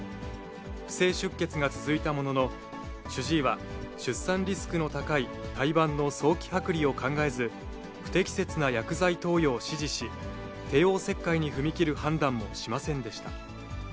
ふせい出血が続いたものの、主治医は、出産リスクの高い胎盤の早期剥離を考えず、不適切な薬剤投与を指示し、帝王切開に踏み切る判断もしませんでした。